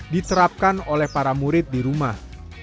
diterapkan oleh para murid di rumah